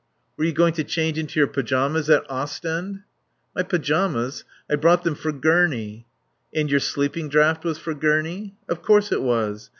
"Were you going to change into your pyjamas at Ostend?" "My pyjamas? I brought them for Gurney." "And your sleeping draught was for Gurney?" "Of course it was."